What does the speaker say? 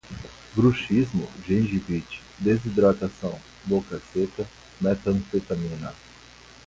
bruxismo, gengivite, desidratação, boca seca, metanfetamina